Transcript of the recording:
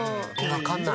わかんない。